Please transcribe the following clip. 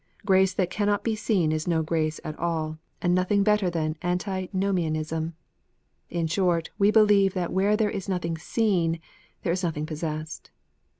Grace that cannot be seen is no grace at all, and nothing better than Antinomianism. In short, we believe that where there is nothing seen, there is nothing pos sessed.